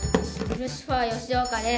ルシファー吉岡です。